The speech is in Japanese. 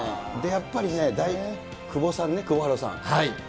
やっぱりね、久保さんね、久保晴生さん。